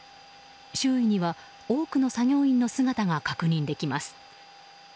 周囲には多くの作業員の姿が確認できます。